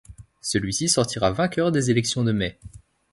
Celui-ci sortira vainqueur des élections de mai.